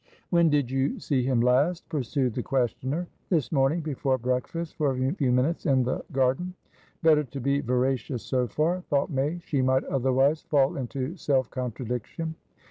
"When did you see him last?" pursued the questioner. "This morning, before breakfast, for a few minutes in the garden." Better to be veracious so far, thought May. She might otherwise fall into self contradiction.